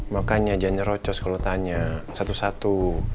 makanya jangan rocos kalau tanya satu satu